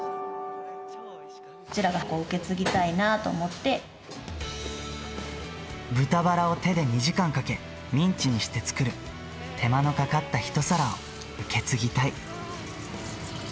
うちらが受け継ぎたいなと思豚バラを手で２時間かけ、ミンチにして作る、手間のかかった一皿を受け継ぎたい。